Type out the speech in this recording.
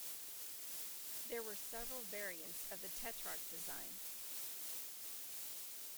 There were several variants of the Tetrarch design.